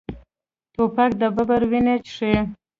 توپک د ببرک وینې څښلي.